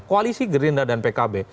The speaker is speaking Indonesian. koalisi gerindra dan pkb